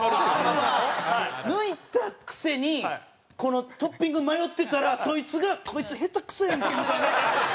抜いたくせにトッピング迷ってたらそいつが「こいつ下手くそやんけ」みたいな。